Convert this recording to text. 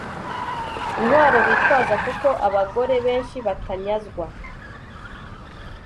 intwaro bitwaza kuko abagore benshi batanyazwa